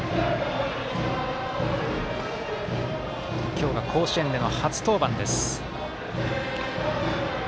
今日が甲子園での初登板です。